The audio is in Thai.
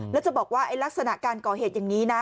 แล้วจะบอกว่าลักษณะการก่อเหตุอย่างนี้นะ